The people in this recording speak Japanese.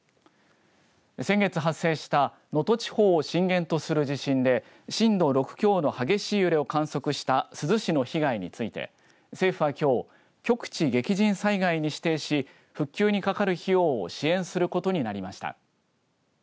先月発生した能登地方を震源とする地震で震度６強の激しい揺れを観測した珠洲市の被害について政府は、きょう局地激甚災害に指定し復旧にかかる費用を支援することになりました。